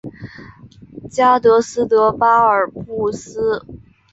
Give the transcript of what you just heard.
加的斯的巴尔布斯。